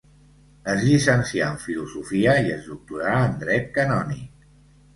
Es llicencià en Filosofia i es doctorà en Dret Canònic.